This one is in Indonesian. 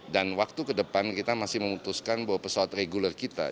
dan waktu ke depan kita masih memutuskan bahwa pesawat reguler kita